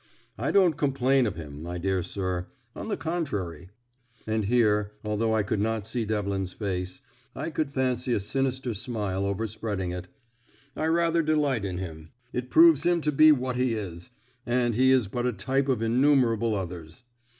I don't complain of him, my dear sir; on the contrary" and here, although I could not see Devlin's face, I could fancy a sinister smile overspreading it "I rather delight in him. It proves him to be what he is and he is but a type of innumerable others.